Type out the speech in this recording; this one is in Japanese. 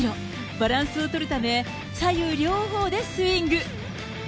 バランスを取るため、左右両方でスイング。